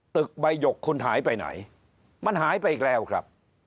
ตึกใบหยกคุณหายไปไหนมันหายไปอีกแล้วครับ